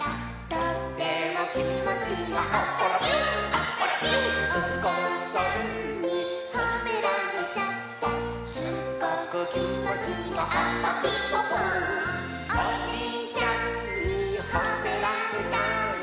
「とってもきもちがアッパラピューアッパラピュー」「おかあさんにほめられちゃった」「すごくきもちがアパピポポー」「おじいちゃんにほめられたよ」